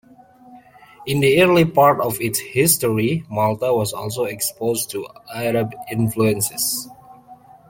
In the early part of its history Malta was also exposed to Arab influences.